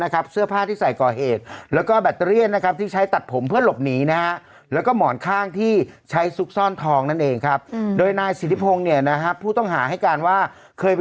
คือสมมุติว่าอัพเรามีเงินจะอยู่บางแบบ๒๐๐บาทนี้กินแบบ